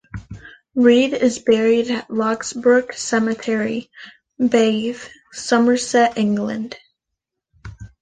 Reade is buried at Locksbrook Cemetery, Bath, Somerset, England.